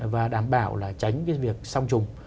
và đảm bảo là tránh cái việc song trùng